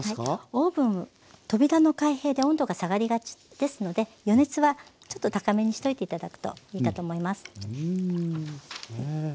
オーブン扉の開閉で温度が下がりがちですので予熱はちょっと高めにしておいて頂くといいかと思います。